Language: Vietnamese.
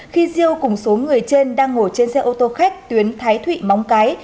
khi diêu cùng số người trên đang ngồi trên xe ô tô khách tuyến thái thụy móng cái